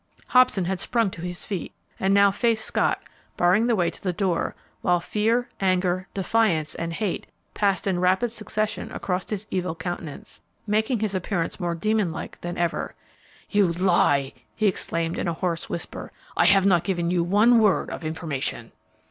Hobson had sprung to his feet and now faced Scott, barring the way to the door, while fear, anger, defiance, and hate passed in rapid succession across his evil countenance, making his appearance more demon like than ever. "You lie!" he exclaimed, in a hoarse whisper. "I have not given you one word of information!"